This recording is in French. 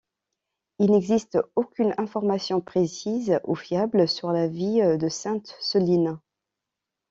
Il n'existe aucune information précise ou fiable sur la vie de Sainte Soline.